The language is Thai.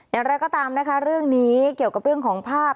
อย่างไรก็ตามนะคะเรื่องนี้เกี่ยวกับเรื่องของภาพ